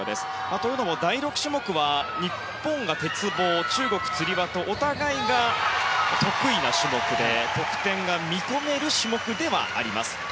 というのも第６種目は日本が鉄棒中国、つり輪とお互いが得意な種目で得点が見込める種目ではあります。